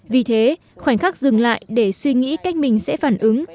vì thế khoảnh khắc dừng lại để suy nghĩ cách mình sẽ phản ứng